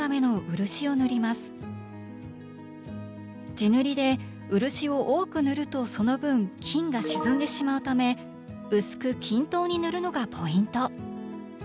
地塗りで漆を多く塗るとその分金が沈んでしまうため薄く均等に塗るのがポイント。